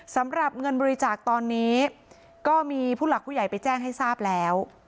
สำหรับเงินบริจาคตอนนี้ก็มีผู้หลักผู้ใหญ่ไปแจ้งให้ทราบแล้ว